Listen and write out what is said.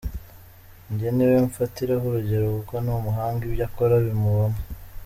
Njye niwe mfatiraho urugero kuko ni umuhanga ibyo akora bimubamo.